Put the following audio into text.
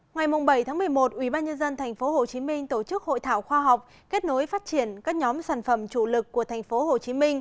ngoài mùng bảy tháng một mươi một ubnd tp hcm tổ chức hội thảo khoa học kết nối phát triển các nhóm sản phẩm chủ lực của tp hcm